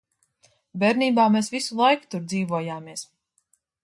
Bērnībā mēs visu laiku tur dzīvojāmies.